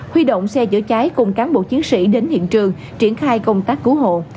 huy động xe chữa cháy cùng cán bộ chiến sĩ đến hiện trường triển khai công tác cứu hộ